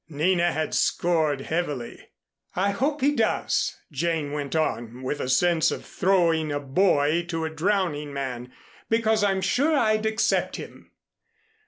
Nina had scored heavily. "I hope he does," Jane went on with a sense of throwing a buoy to a drowning man, "because I'm sure I'd accept him."